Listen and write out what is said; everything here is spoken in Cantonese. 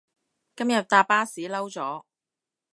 今日搭巴士嬲咗